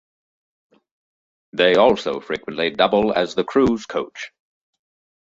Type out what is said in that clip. They also frequently double as the crew's coach.